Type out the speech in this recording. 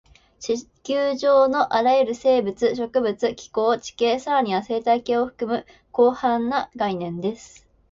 地球上のあらゆる生物、植物、気候、地形、さらには生態系を含む広範な概念です